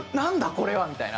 これは！みたいな。